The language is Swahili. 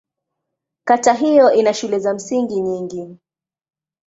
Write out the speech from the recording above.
Kata hiyo ina shule za msingi nyingi.